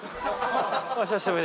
お久しぶり。